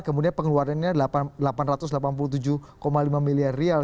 kemudian pengeluaran nya delapan ratus delapan puluh tujuh lima miliar rial